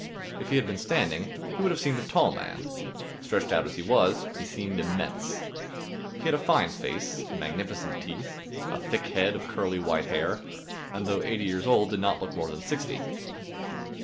If he had been standing, he would have seemed a tall man. Stretched out as he was, he seemed immense. He had a fine face, magnificent teeth, a thick head of curly white hair, and though eighty years old did not look more than sixty.